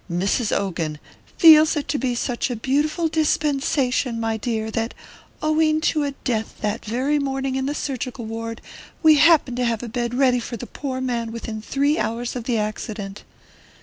"Mrs. Ogan 'feels it to be such a beautiful dispensation, my dear, that, owing to a death that very morning in the surgical ward, we happened to have a bed ready for the poor man within three hours of the accident.'"